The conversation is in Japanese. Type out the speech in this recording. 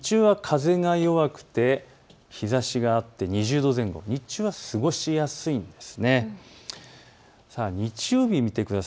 日中は風が弱くて、日ざしがあって２０度前後日中は過ごしやすいんです。